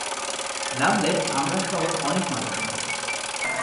নামলে আমরা সহ অনেক মানুষ মরবে!